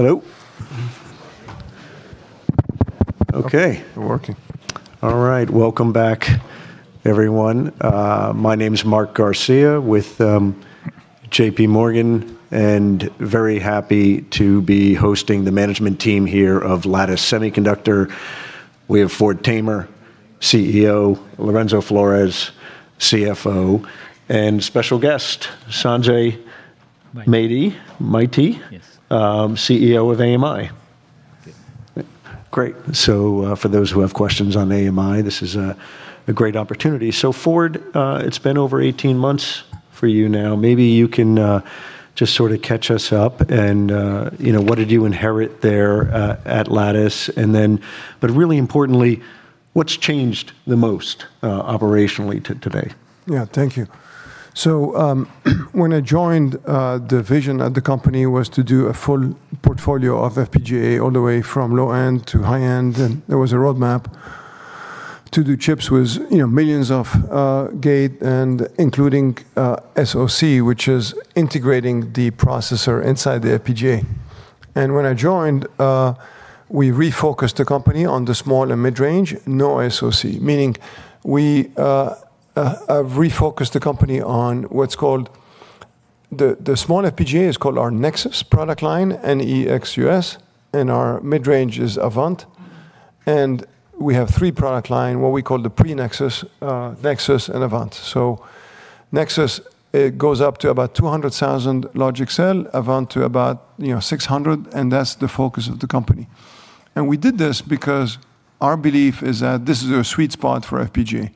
Hello. Okay. We're working. All right. Welcome back, everyone. My name is Mark Garcia with JPMorgan, very happy to be hosting the management team here of Lattice Semiconductor. We have Ford Tamer, CEO, Lorenzo Flores, CFO, special guest, Sanjoy Maity. Yes. CEO of AMI. Yes. Great. For those who have questions on AMI, this is a great opportunity. Ford, it's been over 18 months for you now. Maybe you can just sort of catch us up, you know, what did you inherit there at Lattice? Really importantly, what's changed the most operationally today? Thank you. When I joined, the vision of the company was to do a full portfolio of FPGA all the way from low-end to high-end, and there was a roadmap to do chips with, you know, millions of gate and including SoC, which is integrating the processor inside the FPGA. When I joined, we refocused the company on the small and mid-range, no SoC. Meaning we refocused the company on what's called the small FPGA is called our Nexus product line, N-E-X-U-S, and our mid-range is Avant. We have three product line, what we call the pre-Nexus, Nexus and Avant. Nexus, it goes up to about 200,000 logic cell, Avant to about, you know, 600,000, and that's the focus of the company. We did this because our belief is that this is a sweet spot for FPGA.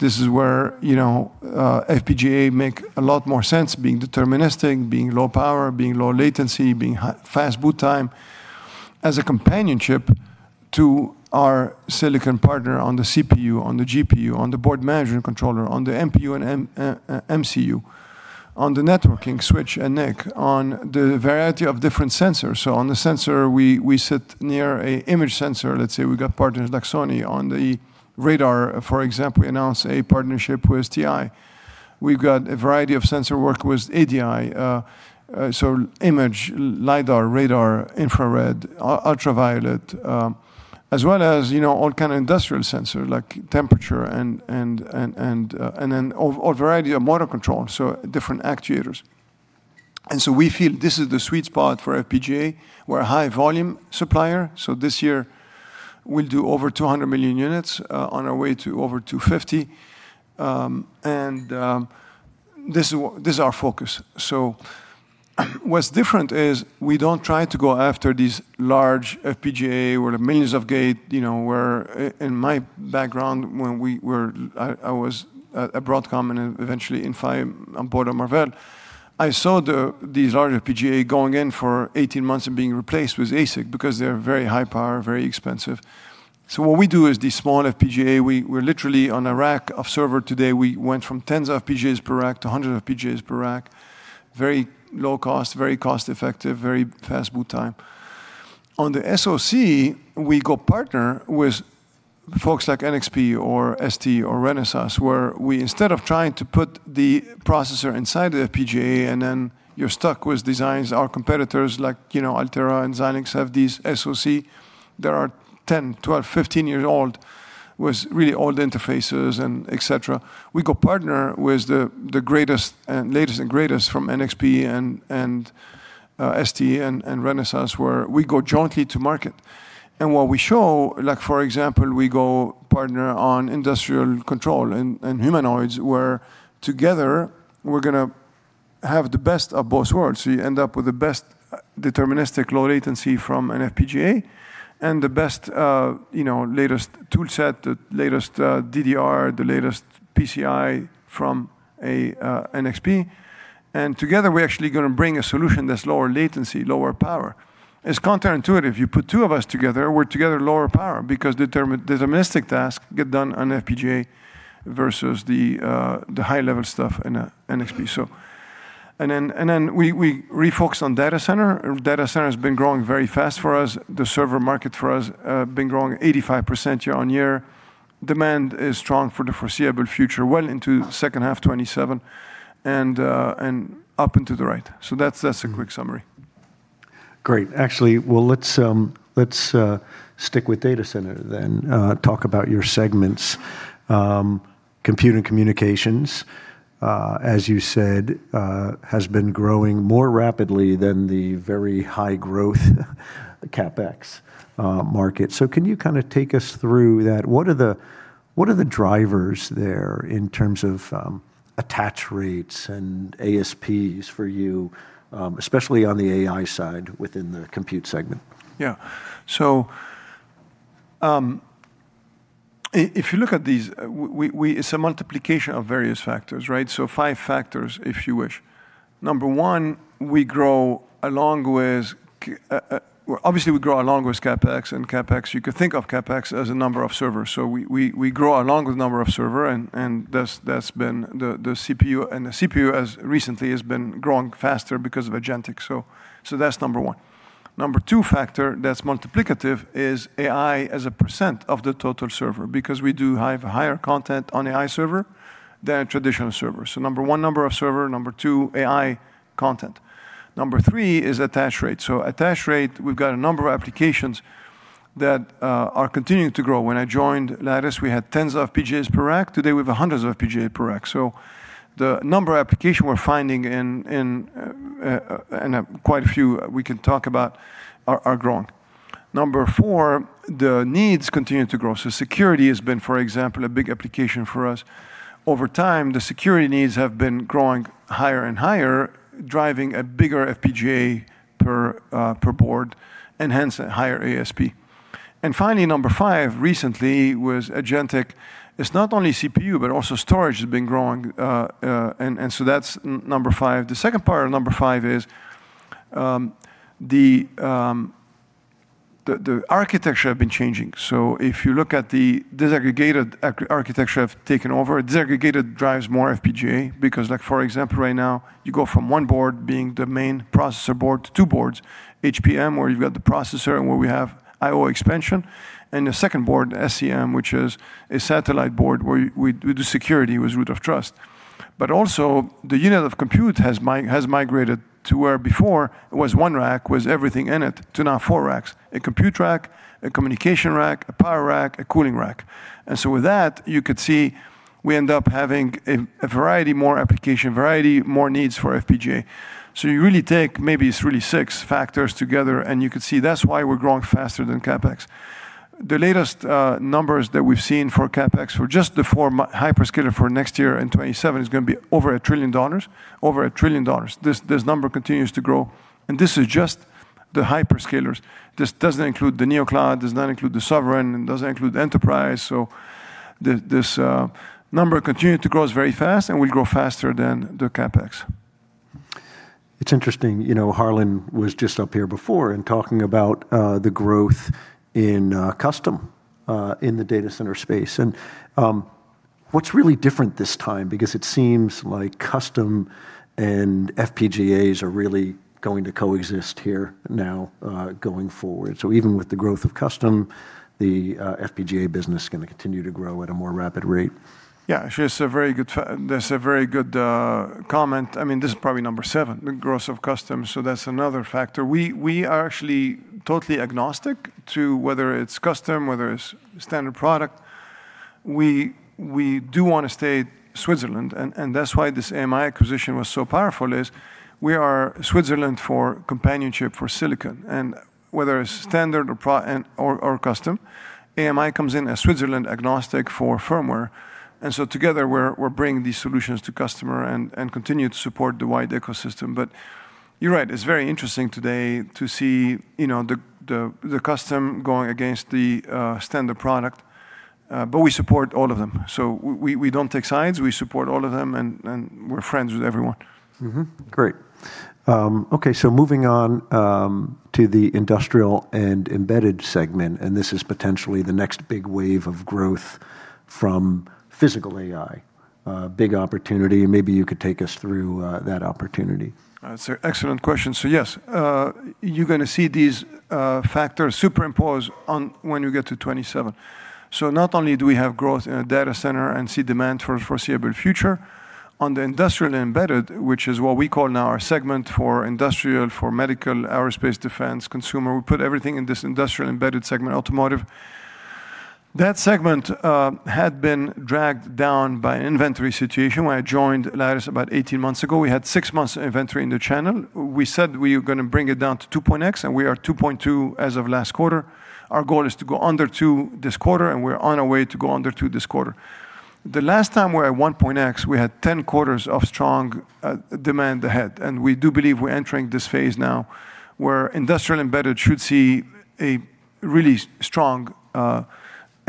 This is where, you know, FPGA make a lot more sense being deterministic, being low power, being low latency, being fast boot time, as a companionship to our silicon partner on the CPU, on the GPU, on the board management controller, on the MPU and MCU, on the networking switch and NIC, on the variety of different sensors. On the sensor, we sit near a image sensor. Let's say we've got partners like Sony on the radar. For example, we announced a partnership with TI. We've got a variety of sensor work with ADI, image, LiDAR, radar, infrared, ultraviolet, as well as, you know, all kind of industrial sensor, like temperature and then a variety of motor control, so different actuators. We feel this is the sweet spot for FPGA. We're a high volume supplier, this year we'll do over 200 million units, on our way to over 250 million. This is our focus. What's different is we don't try to go after these large FPGA or the millions of gate, you know, where in my background when I was at Broadcom and eventually Inphi on board of Marvell. I saw these large FPGA going in for 18 months and being replaced with ASIC because they're very high power, very expensive. What we do is the small FPGA. We're literally on a rack of server today. We went from tens of FPGAs per rack to hundreds of FPGAs per rack. Very low cost, very cost effective, very fast boot time. On the SoC, we go partner with folks like NXP or ST or Renesas, where we instead of trying to put the processor inside the FPGA, and then you're stuck with designs our competitors like, you know, Altera and Xilinx have these SoC that are 10, 12, 15 years old, with really old interfaces and et cetera. We go partner with the latest and greatest from NXP and ST and Renesas, where we go jointly to market. What we show, like, for example, we go partner on industrial control and humanoids, where together we're gonna have the best of both worlds. You end up with the best deterministic low latency from an FPGA and the best, you know, latest tool set, the latest DDR, the latest PCI from a NXP. Together, we're actually gonna bring a solution that's lower latency, lower power. It's counterintuitive. You put two of us together, we're together lower power because deterministic tasks get done on FPGA versus the high-level stuff in a NXP. We refocus on data center. Data center has been growing very fast for us. The server market for us, been growing 85% year-on-year. Demand is strong for the foreseeable future, well into second half 2027 and up into the right. That's a quick summary. Great. Actually, well, let's stick with data center then, talk about your segments. Compute and communications, as you said, has been growing more rapidly than the very high growth CapEx market. Can you kinda take us through that? What are the drivers there in terms of attach rates and ASPs for you, especially on the AI side within the compute segment? If you look at these, we, it's a multiplication of various factors, right? Five factors, if you wish. Number one, we grow along with obviously, we grow along with CapEx, and CapEx, you could think of CapEx as a number of servers. We grow along with number of server, and that's been the CPU, and the CPU as recently has been growing faster because of agentic. That's number one. Number two factor that's multiplicative is AI as a percent of the total server, because we do have higher content on AI server than a traditional server. Number one, number of server. Number two, AI content. Number three is attach rate. Attach rate, we've got a number of applications that are continuing to grow. When I joined Lattice, we had tens of FPGAs per rack. Today, we have hundreds of FPGA per rack. The number of application we're finding and quite a few we can talk about are growing. Number four, the needs continue to grow. Security has been, for example, a big application for us. Over time, the security needs have been growing higher and higher, driving a bigger FPGA per board, and hence a higher ASP. Finally, number five recently was agentic. It's not only CPU, but also storage has been growing. That's number five. The second part of number five is the architecture have been changing. If you look at the disaggregated architecture have taken over, disaggregated drives more FPGA because like for example, right now, you go from one board being the main processor board to two boards, HPM, where you've got the processor and where we have I/O expansion, and the second board, SCM, which is a satellite board where we do security with root of trust. Also, the unit of compute has migrated to where before it was one rack with everything in it to now four racks, a compute rack, a communication rack, a power rack, a cooling rack. With that, you could see we end up having a variety more application, variety more needs for FPGA. You really take maybe it's really six factors together, and you could see that's why we're growing faster than CapEx. The latest numbers that we've seen for CapEx for just the four hyperscaler for next year in 2027 is gonna be over $1 trillion. Over $1 trillion. This number continues to grow, and this is just the hyperscalers. This doesn't include the Neocloud, does not include the sovereign, and doesn't include the enterprise. This number continue to grow is very fast, and we grow faster than the CapEx. It's interesting, you know, Harlan was just up here before and talking about the growth in custom in the data center space. What's really different this time, because it seems like custom and FPGAs are really going to coexist here now, going forward. Even with the growth of custom, the FPGA business is gonna continue to grow at a more rapid rate. Actually, that's a very good comment. I mean, this is probably number seven, the growth of custom. That's another factor. We are actually totally agnostic to whether it's custom, whether it's standard product. We do wanna stay Switzerland, and that's why this AMI acquisition was so powerful is we are Switzerland for companionship for silicon. Whether it's standard or custom, AMI comes in as Switzerland agnostic for firmware. Together, we're bringing these solutions to customer and continue to support the wide ecosystem. You're right, it's very interesting today to see, you know, the custom going against the standard product. We support all of them. We don't take sides. We support all of them, and we're friends with everyone. Mm-hmm. Great. Okay. Moving on to the Industrial and Embedded segment, this is potentially the next big wave of growth from physical AI. Big opportunity, maybe you could take us through that opportunity. That's a excellent question. Yes, you're gonna see these factors superimpose on when you get to 2027. Not only do we have growth in a data center and see demand for foreseeable future, on the Industrial and Embedded, which is what we call now our segment for industrial, for medical, aerospace, defense, consumer, we put everything in this Industrial Embedded segment, automotive. That segment had been dragged down by an inventory situation. When I joined Lattice about 18 months ago, we had six months of inventory in the channel. We said we were gonna bring it down to 2.x, and we are 2.2 as of last quarter. Our goal is to go under two this quarter, and we're on our way to go under two this quarter. The last time we were at 1.x, we had 10 quarters of strong demand ahead. We do believe we're entering this phase now where industrial embedded should see a really strong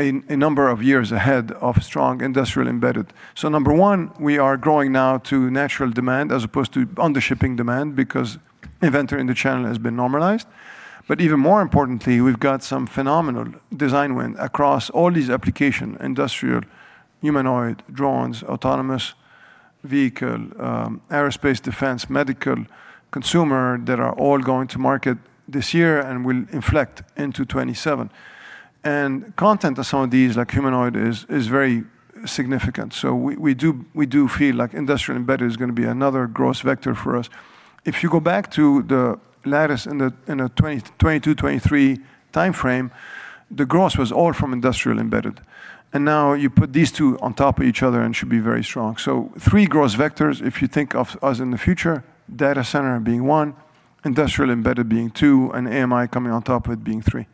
number of years ahead of strong industrial embedded. Number one, we are growing now to natural demand as opposed to undershipping demand because inventory in the channel has been normalized. Even more importantly, we've got some phenomenal design win across all these application, industrial, humanoid, drones, autonomous vehicle, aerospace, defense, medical, consumer, that are all going to market this year and will inflect into 2027. Content of some of these, like humanoid, is very significant. We do feel like industrial embedded is gonna be another growth vector for us. If you go back to the Lattice in the 2022, 2023 timeframe, the growth was all from industrial embedded. Now you put these two on top of each other and should be very strong. Three growth vectors, if you think of us in the future, data center being one, Industrial Embedded being two, and AMI coming on top of it being three.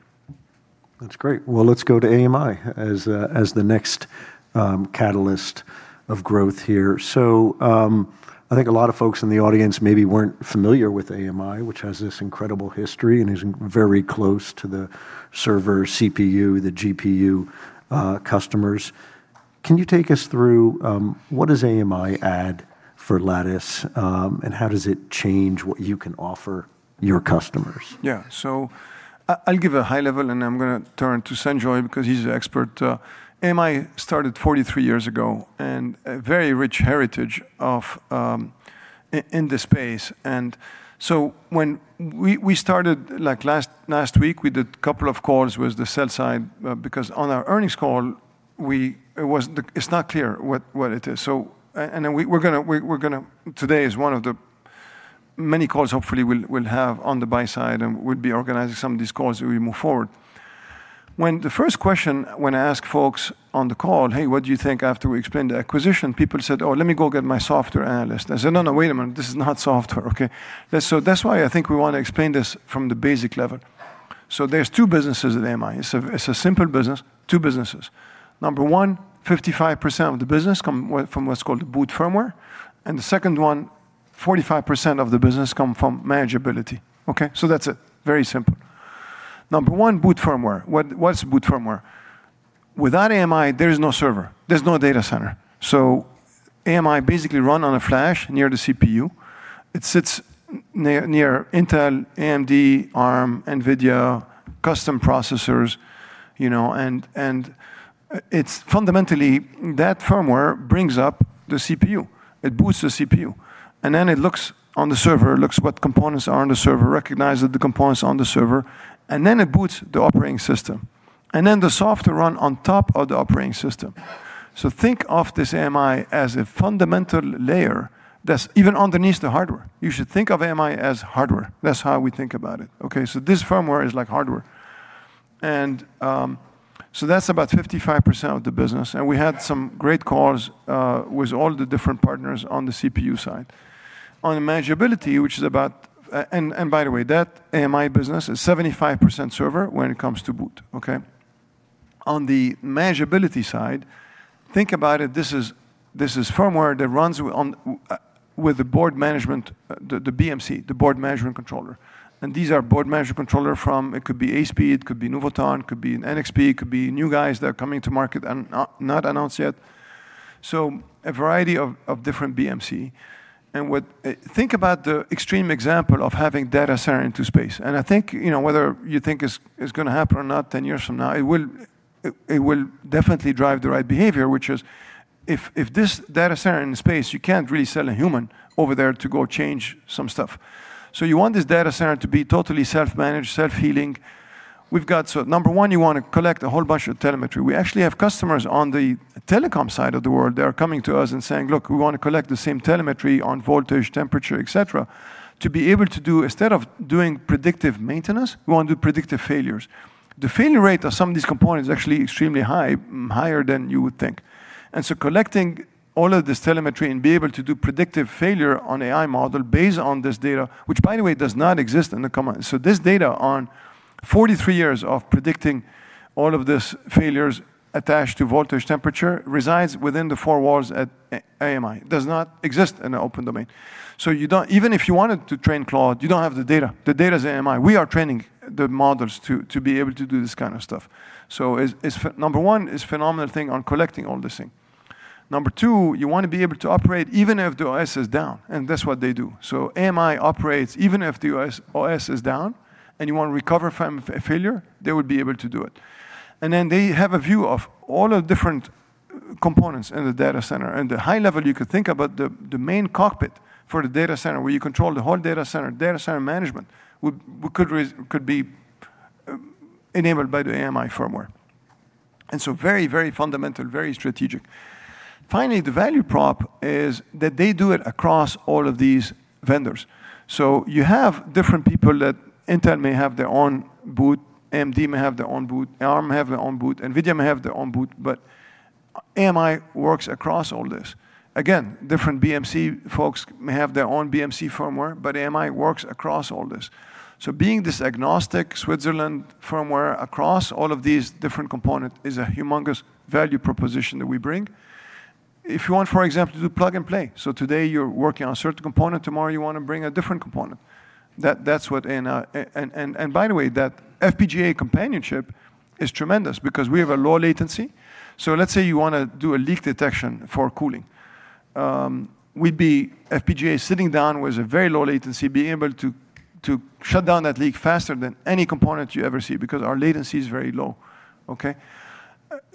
That's great. Let's go to AMI as the next catalyst of growth here. I think a lot of folks in the audience maybe weren't familiar with AMI, which has this incredible history and is very close to the server CPU, the GPU customers. Can you take us through what does AMI add for Lattice and how does it change what you can offer your customers? Yeah. I'll give a high level, and I'm going to turn to Sanjoy because he's the expert. AMI started 43 years ago and a very rich heritage in the space. When we started like last week, we did couple calls with the sell side because on our earnings call, it's not clear what it is. Then we're going to, today is one of the many calls hopefully we'll have on the buy side and we'll be organizing some of these calls as we move forward. When the first question when I ask folks on the call, "Hey, what do you think?" after we explain the acquisition, people said, "Oh, let me go get my software analyst." I said, "No, wait a minute. This is not software, okay?" That's why I think we wanna explain this from the basic level. There's two businesses at AMI. It's a simple business. Two businesses. Number one, 55% of the business come from what's called boot firmware, and the second one, 45% of the business come from manageability, okay? That's it. Very simple. Number one, boot firmware. What's boot firmware? Without AMI, there is no server. There's no data center. AMI basically run on a flash near the CPU. It sits near Intel, AMD, Arm, NVIDIA, custom processors, you know, and it's fundamentally that firmware brings up the CPU. It boots the CPU, and then it looks on the server, looks what components are on the server, recognize that the components on the server, and then it boots the operating system. The software run on top of the operating system. Think of this AMI as a fundamental layer that's even underneath the hardware. You should think of AMI as hardware. That's how we think about it, okay? This firmware is like hardware. That's about 55% of the business, and we had some great calls with all the different partners on the CPU side. By the way, that AMI business is 75% server when it comes to boot, okay? On the manageability side, think about it. This is firmware that runs on with the board management, the BMC, the Board Management Controller. These are Baseboard Management Controller from, it could be ASPEED, it could be Nuvoton, it could be an NXP, it could be new guys that are coming to market and not announced yet. A variety of different BMC. Think about the extreme example of having data center into space. I think, you know, whether you think it's gonna happen or not 10 years from now, it will definitely drive the right behavior, which is if this data center in space, you can't really send a human over there to go change some stuff. You want this data center to be totally self-managed, self-healing. Number one, you wanna collect a whole bunch of telemetry. We actually have customers on the telecom side of the world that are coming to us and saying, "Look, we wanna collect the same telemetry on voltage, temperature, et cetera, to be able to do instead of doing predictive maintenance, we want to do predictive failures." The failure rate of some of these components is actually extremely high, higher than you would think. Collecting all of this telemetry and be able to do predictive failure on AI model based on this data, which by the way, does not exist in the comm-- This data on 43 years of predicting all of this failures attached to voltage temperature resides within the four walls at AMI. It does not exist in the open domain. Even if you wanted to train Claude, you don't have the data. The data is AMI. We are training the models to be able to do this kind of stuff. It's Number one, it's phenomenal thing on collecting all this thing. Number two, you wanna be able to operate even if the OS is down, and that's what they do. AMI operates even if the OS is down, and you wanna recover from failure, they would be able to do it. They have a view of all the different components in the data center. The high level you could think about the main cockpit for the data center, where you control the whole data center, data center management, could be enabled by the AMI firmware. Very fundamental, very strategic. Finally, the value prop is that they do it across all of these vendors. You have different people that Intel may have their own boot, AMD may have their own boot, Arm may have their own boot, NVIDIA may have their own boot, but AMI works across all this. Again, different BMC folks may have their own BMC firmware, but AMI works across all this. Being this agnostic Switzerland firmware across all of these different component is a humongous value proposition that we bring. If you want, for example, to do plug and play, so today you're working on a certain component, tomorrow you want to bring a different component. That's what in and by the way, that FPGA companionship is tremendous because we have a low latency. Let's say you want to do a leak detection for cooling. We'd be FPGA sitting down with a very low latency, being able to shut down that leak faster than any component you ever see because our latency is very low, okay?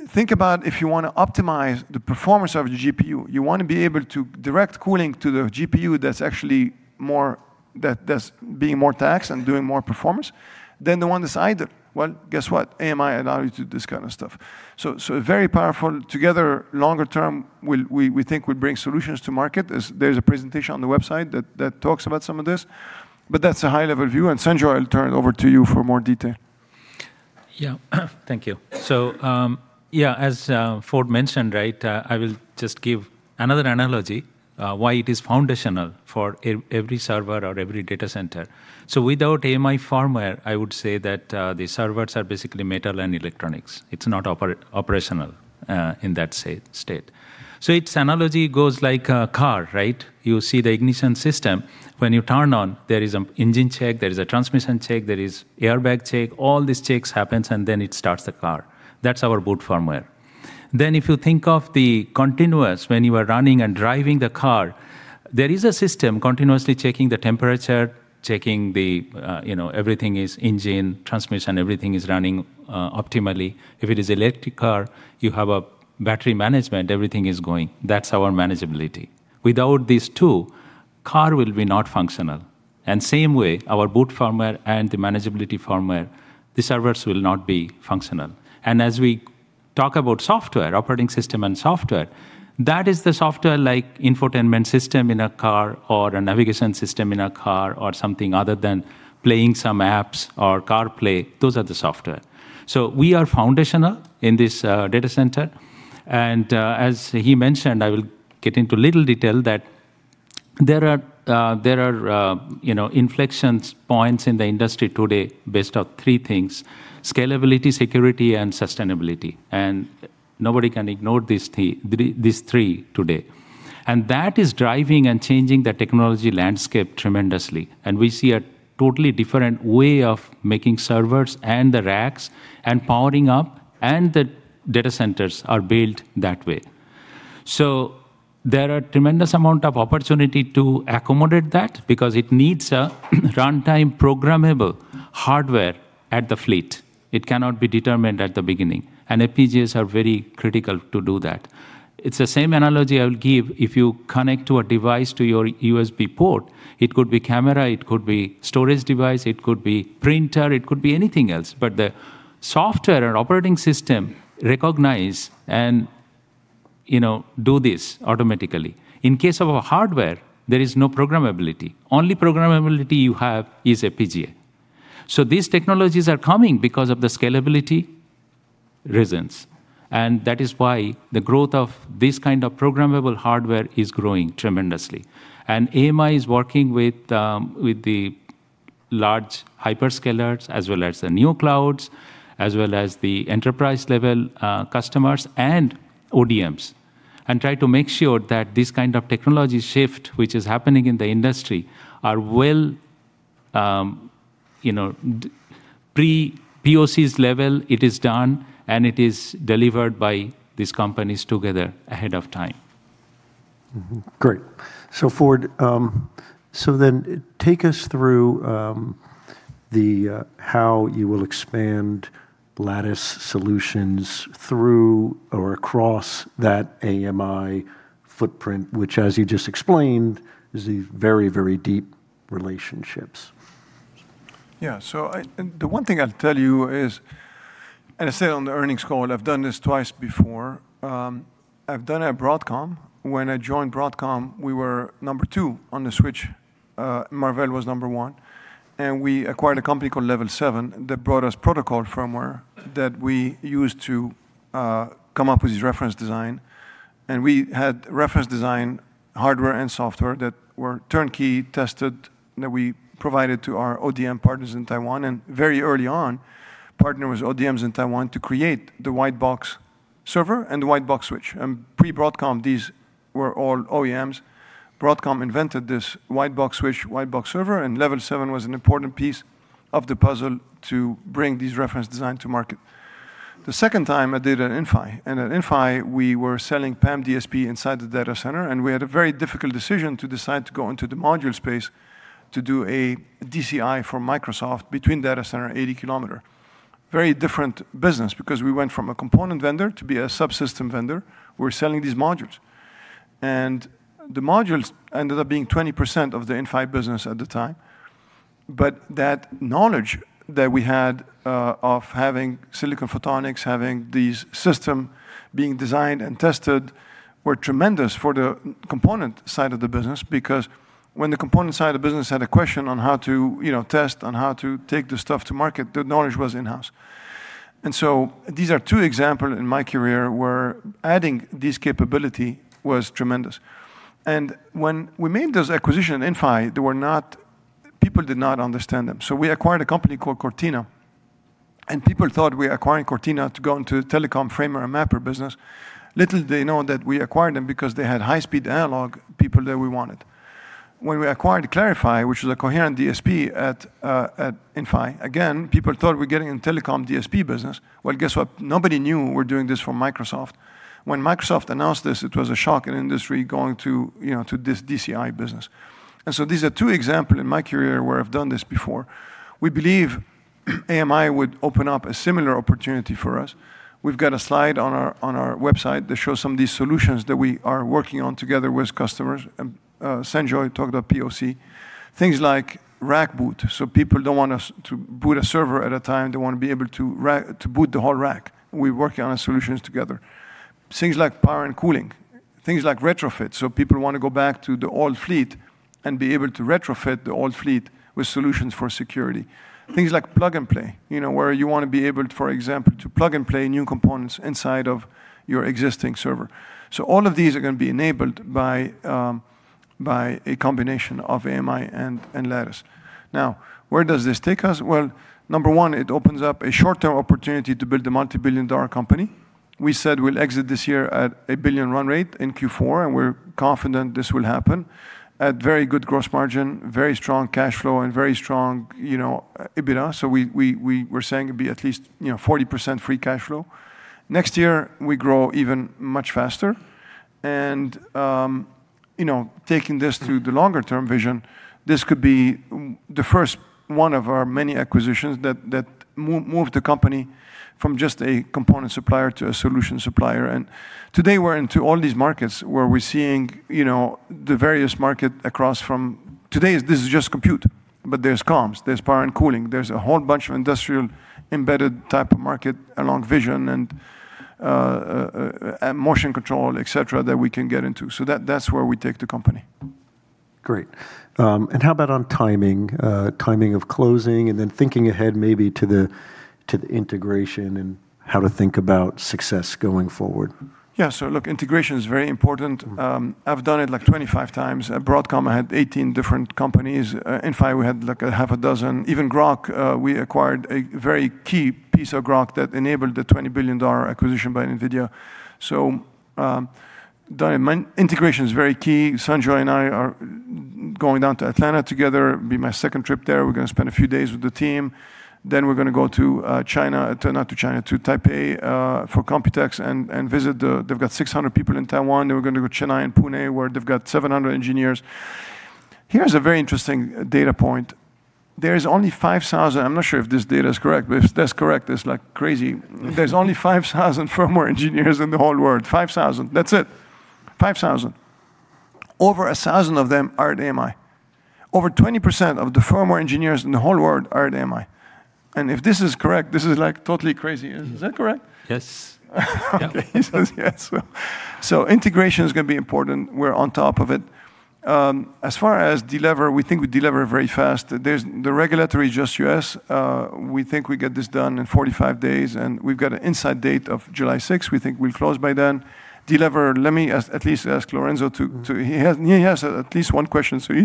Think about if you wanna optimize the performance of the GPU. You wanna be able to direct cooling to the GPU that's actually more, that's being more taxed and doing more performance than the one that's idle. Well, guess what? AMI allow you to do this kind of stuff. Very powerful together longer term we think will bring solutions to market. There's a presentation on the website that talks about some of this. That's a high-level view, and Sanjoy, I'll turn it over to you for more detail. Thank you. As Ford mentioned, right, I will just give another analogy why it is foundational for every server or every data center. Without AMI firmware, I would say that the servers are basically metal and electronics. It's not operational in that state. Its analogy goes like a car, right? You see the ignition system. When you turn on, there is an engine check, there is a transmission check, there is airbag check. All these checks happens, it starts the car. That's our boot firmware. If you think of the continuous, when you are running and driving the car, there is a system continuously checking the temperature, checking the, you know, everything is engine, transmission, everything is running optimally. If it is electric car, you have a battery management, everything is going. That's our manageability. Without these two, car will be not functional. Same way, our boot firmware and the manageability firmware, the servers will not be functional. As we talk about software, operating system and software. That is the software like infotainment system in a car or a navigation system in a car or something other than playing some apps or CarPlay. Those are the software. We are foundational in this data center. As he mentioned, I will get into little detail that there are, you know, inflection points in the industry today based on three things: scalability, security, and sustainability. Nobody can ignore these three today. That is driving and changing the technology landscape tremendously. We see a totally different way of making servers and the racks and powering up, and the data centers are built that way. There are tremendous amount of opportunity to accommodate that because it needs a runtime programmable hardware at the fleet. It cannot be determined at the beginning, and FPGAs are very critical to do that. It's the same analogy I would give if you connect to a device to your USB port. It could be camera, it could be storage device, it could be printer, it could be anything else. The software and operating system recognize and, you know, do this automatically. In case of a hardware, there is no programmability. Only programmability you have is FPGA. These technologies are coming because of the scalability reasons, and that is why the growth of this kind of programmable hardware is growing tremendously. AMI is working with the large hyperscalers as well as the Neoclouds, as well as the enterprise-level customers and ODMs, and try to make sure that this kind of technology shift which is happening in the industry are well pre-POCs level, it is done, and it is delivered by these companies together ahead of time. Great. Ford, take us through the how you will expand Lattice solutions through or across that AMI footprint, which as you just explained, is these very, very deep relationships. The one thing I'll tell you is, and I said on the earnings call, and I've done this twice before, I've done at Broadcom. When I joined Broadcom, we were number two on the switch. Marvell was number one. We acquired a company called Level 7 that brought us protocol firmware that we used to come up with this reference design. We had reference design hardware and software that were turnkey tested that we provided to our ODM partners in Taiwan, and very early on, partnered with ODMs in Taiwan to create the white box server and the white box switch. Pre-Broadcom, these were all OEMs. Broadcom invented this white box switch, white box server, and Level 7 was an important piece of the puzzle to bring this reference design to market. The second time I did at Inphi. At Inphi, we were selling PAM DSP inside the data center, and we had a very difficult decision to decide to go into the module space to do a DCI for Microsoft between data center 80 km. Very different business because we went from a component vendor to be a subsystem vendor. We're selling these modules. The modules ended up being 20% of the Inphi business at the time. That knowledge that we had of having silicon photonics, having these system being designed and tested were tremendous for the component side of the business because when the component side of the business had a question on how to, you know, test, on how to take the stuff to market, the knowledge was in-house. These are two example in my career where adding this capability was tremendous. When we made those acquisitions at Inphi, people did not understand them. We acquired a company called Cortina, and people thought we acquiring Cortina to go into telecom framer and mapper business. Little did they know that we acquired them because they had high-speed analog people that we wanted. When we acquired ClariPhy, which is a coherent DSP at Inphi, again, people thought we're getting in telecom DSP business. Well, guess what? Nobody knew we're doing this for Microsoft. When Microsoft announced this, it was a shock in industry going to, you know, to this DCI business. These are two examples in my career where I've done this before. We believe AMI would open up a similar opportunity for us. We've got a slide on our website that shows some of these solutions that we are working on together with customers. Sanjoy talked about POC. Things like rack boot, so people don't want us to boot a server at a time. They want to be able to boot the whole rack. We're working on solutions together. Things like power and cooling, things like retrofit, so people want to go back to the old fleet and be able to retrofit the old fleet with solutions for security. Things like plug and play, you know, where you want to be able, for example, to plug and play new components inside of your existing server. All of these are gonna be enabled by a combination of AMI and Lattice. Where does this take us? Well, number one, it opens up a short-term opportunity to build a multi-billion dollar company. We said we'll exit this year at a $1 billion run rate in Q4, we're confident this will happen at very good gross margin, very strong cash flow and very strong, you know, EBITDA. We were saying it'd be at least, you know, 40% free cash flow. Next year, we grow even much faster. You know, taking this to the longer term vision, this could be the first one of our many acquisitions that move the company from just a component supplier to a solution supplier. Today, we're into all these markets where we're seeing, you know, the various market. Today, this is just compute. There's comms, there's power and cooling, there's a whole bunch of industrial embedded type of market along vision and motion control, et cetera, that we can get into. That's where we take the company. Great. How about on timing? Timing of closing and then thinking ahead maybe to the integration and how to think about success going forward? Integration is very important. I've done it like 25 times. At Broadcom I had 18 different companies. Inphi we had like six. Even Groq, we acquired a very key piece of Groq that enabled the $20 billion acquisition by NVIDIA. Integration is very key. Sanjoy and I are going down to Atlanta together. It'll be my second trip there. We're gonna spend a few days with the team. We're gonna go to China, not to China, to Taipei, for COMPUTEX. They've got 600 people in Taiwan. We're gonna go to Chennai and Pune, where they've got 700 engineers. Here's a very interesting data point. There's only 5,000, I'm not sure if this data is correct, but if that's correct, it's like crazy. There's only 5,000 firmware engineers in the whole world. 5,000, that's it. 5,000. Over 1,000 of them are at AMI. Over 20% of the firmware engineers in the whole world are at AMI. If this is correct, this is like totally crazy. Is that correct? Yes. Yeah. Okay, he says yes. Integration is going to be important. We're on top of it. As far as delever, we think we delever very fast. The regulatory is just U.S. We think we get this done in 45 days, and we've got an inside date of July 6th. We think we'll close by then. Delever, let me at least ask Lorenzo. He has at least one question. Yeah.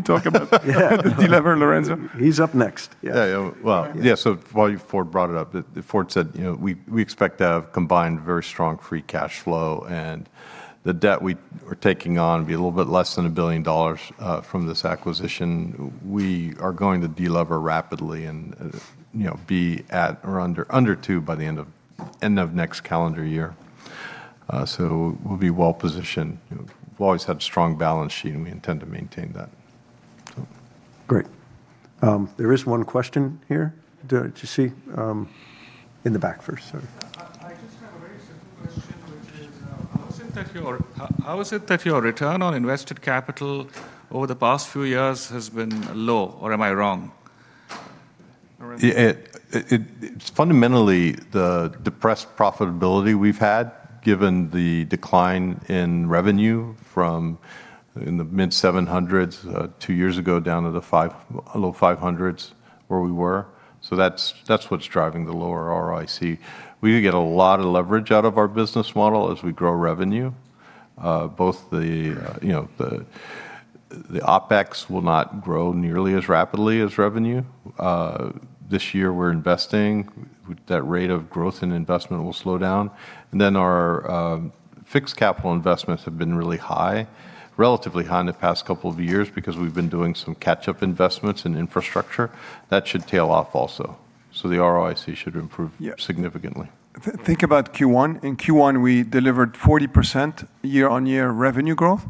Delever, Lorenzo. He's up next. Yeah, yeah. While Ford brought it up, Ford said, you know, we expect to have combined very strong free cash flow. The debt we are taking on will be a little bit less than $1 billion from this acquisition. We are going to delever rapidly and, you know, be at or under two by the end of next calendar year. We'll be well-positioned. You know, we've always had a strong balance sheet, and we intend to maintain that. Great. There is one question here. Do you see? In the back first, sorry. I just have a very simple question, which is, how is it that your return on invested capital over the past few years has been low, or am I wrong? Lorenzo? It's fundamentally the depressed profitability we've had given the decline in revenue from in the mid-$700s, two years ago down to the five, low $500s where we were. That's what's driving the lower ROIC. We get a lot of leverage out of our business model as we grow revenue. Both the, you know, the OpEx will not grow nearly as rapidly as revenue. This year we're investing. That rate of growth in investment will slow down. Our fixed capital investments have been really high, relatively high in the past couple of years because we've been doing some catch-up investments in infrastructure. That should tail off also. The ROIC should improve- Yeah. -significantly. Think about Q1. In Q1 we delivered 40% year-on-year revenue growth,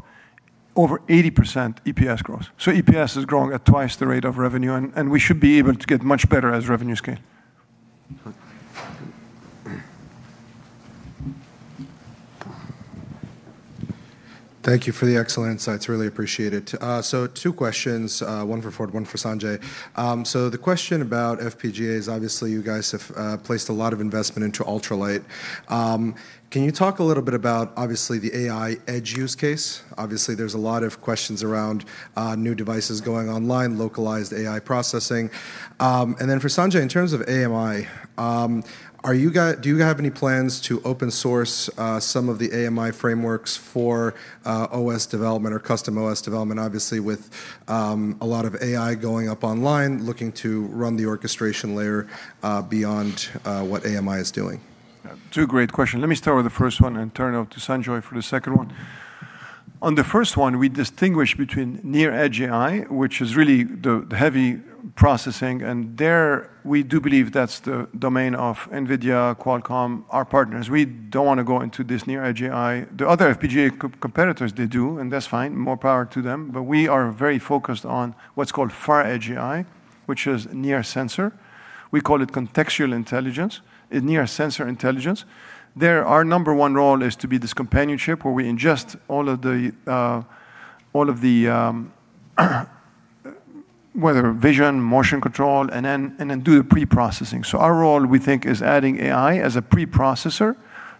over 80% EPS growth. EPS is growing at twice the rate of revenue and we should be able to get much better as revenues scale. Thank you for the excellent insights, really appreciate it. Two questions, one for Ford, one for Sanjoy. The question about FPGAs, obviously you guys have placed a lot of investment into UltraLite. Can you talk a little bit about obviously the AI edge use case? Obviously, there's a lot of questions around new devices going online, localized AI processing. Then for Sanjoy, in terms of AMI, do you have any plans to open source some of the AMI frameworks for OS development or custom OS development? Obviously, with a lot of AI going up online, looking to run the orchestration layer beyond what AMI is doing. Two great questions. Let me start with the first one and turn it over to Sanjoy for the second one. On the first one, we distinguish between near Edge AI, which is really the heavy processing, and there we do believe that's the domain of NVIDIA, Qualcomm, our partners. We don't wanna go into this near Edge AI. The other FPGA co-competitors, they do, and that's fine, more power to them. But we are very focused on what's called Far Edge AI, which is near sensor. We call it contextual intelligence, near sensor intelligence. There, our number one role is to be this companionship where we ingest all of the, all of the, whether vision, motion control, and then do the pre-processing. Our role, we think, is adding AI as a pre-processor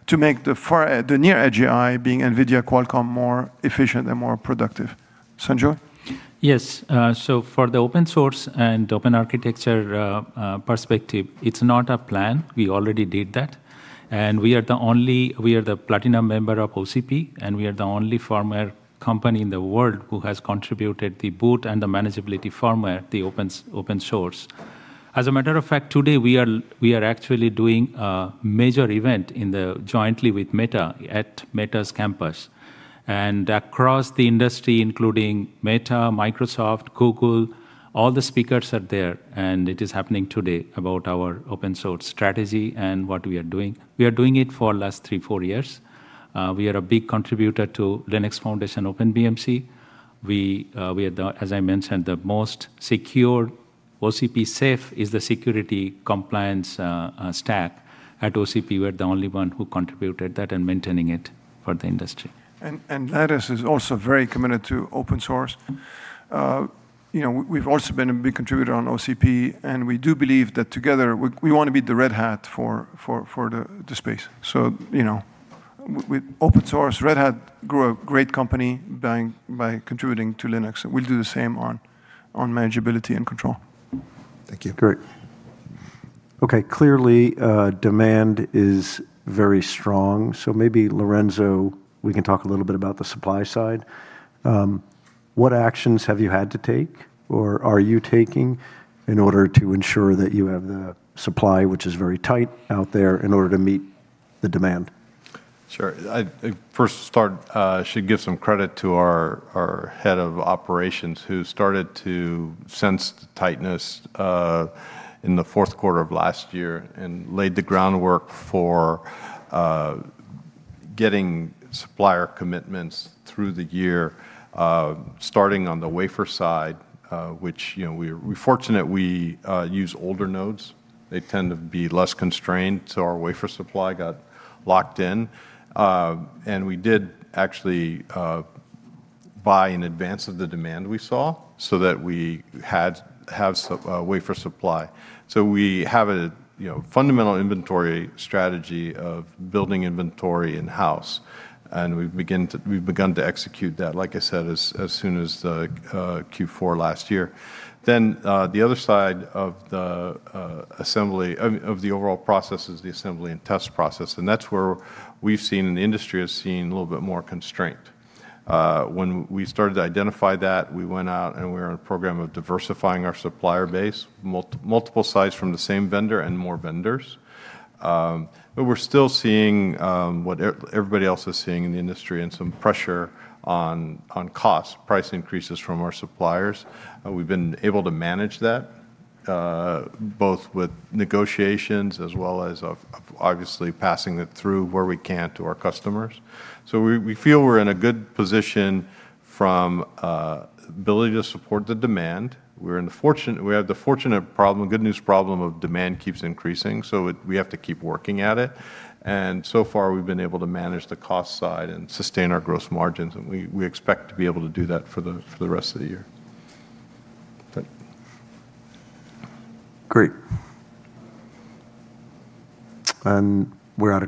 to make the near Edge AI being NVIDIA, Qualcomm more efficient and more productive. Sanjoy? Yes. For the open source and open architecture perspective, it's not a plan. We already did that. We are the platinum member of OCP. We are the only firmware company in the world who has contributed the boot and the manageability firmware, the open source. As a matter of fact, today we are actually doing a major event jointly with Meta at Meta's campus. Across the industry, including Meta, Microsoft, Google, all the speakers are there, and it is happening today about our open source strategy and what we are doing. We are doing it for last three, four years. We are a big contributor to Linux Foundation OpenBMC. We are the, as I mentioned, the most secure OCP S.A.F.E. is the security compliance stack. At OCP, we are the only one who contributed that and maintaining it for the industry. Lattice is also very committed to open source. You know, we've also been a big contributor on OCP, and we do believe that together, we wanna be the Red Hat for the space. You know, with open source, Red Hat grew a great company by contributing to Linux. We'll do the same on manageability and control. Thank you. Great. Okay. Clearly, demand is very strong. Maybe Lorenzo, we can talk a little bit about the supply side. What actions have you had to take or are you taking in order to ensure that you have the supply, which is very tight out there, in order to meet the demand? Sure. I should give some credit to our head of operations, who started to sense the tightness in the fourth quarter of last year and laid the groundwork for getting supplier commitments through the year, starting on the wafer side. Which, you know, we fortunate we use older nodes. They tend to be less constrained, so our wafer supply got locked in. We did actually buy in advance of the demand we saw so that we have wafer supply. We have a, you know, fundamental inventory strategy of building inventory in-house, and we've begun to execute that, like I said, as soon as the Q4 last year. The other side of the assembly of the overall process is the assembly and test process, and that's where we've seen and the industry has seen a little bit more constraint. When we started to identify that, we went out and we were on a program of diversifying our supplier base, multiple sites from the same vendor and more vendors. We're still seeing everybody else is seeing in the industry and some pressure on cost, price increases from our suppliers. We've been able to manage that, both with negotiations as well as obviously passing it through where we can to our customers. We feel we're in a good position from ability to support the demand. We have the fortunate problem, good news problem of demand keeps increasing, we have to keep working at it. So far, we've been able to manage the cost side and sustain our gross margins, and we expect to be able to do that for the rest of the year. Thank you. Great. We're out of time.